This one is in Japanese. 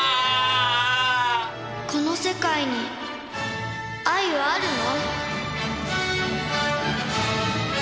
この世界に愛はあるの？